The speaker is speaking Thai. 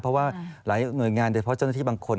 เพราะว่าหลายหน่วยงานโดยเฉพาะเจ้าหน้าที่บางคน